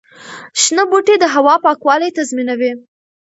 شنه بوټي د هوا پاکوالي تضمینوي.